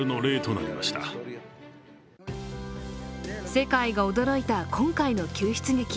世界が驚いた今回の救出劇。